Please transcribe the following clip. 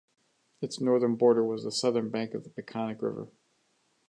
Its northern border was the southern bank of the Peconic River.